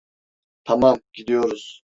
Tamam, gidiyoruz.